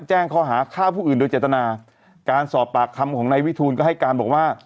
แจ้งข้อหาฆ่าผู้อื่นโดยเจตนาการสอบปากคำของนายวิทูลก็ให้การบอกว่า